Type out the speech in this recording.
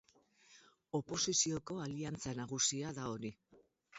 Oposizioko aliantza nagusia da hori.